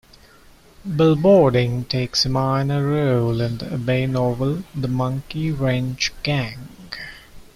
Billboarding takes a minor role in the Abbey novel The Monkey Wrench Gang.